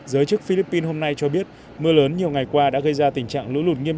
giới chức philippines hôm nay cho biết mưa lớn nhiều ngày qua đã gây ra tình trạng lũ lụt nghiêm trọng